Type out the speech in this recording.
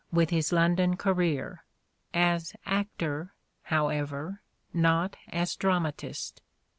T , with his London career — as actor, however, not as dramatist.